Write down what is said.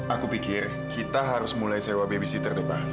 aku pikir kita harus mulai sewa babysitter deh pak